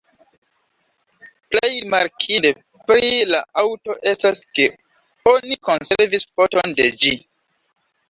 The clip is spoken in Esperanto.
Plej rimarkinde pri la aŭto estas ke oni konservis foton de ĝi.